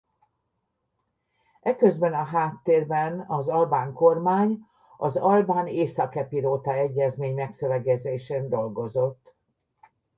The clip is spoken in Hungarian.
Eközben a háttérben az albán kormány az albán–északepiróta egyezmény megszövegezésén dolgozott.